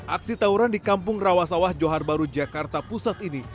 aksi tawuran di kampung rawasawah johar baru jakarta pusat ini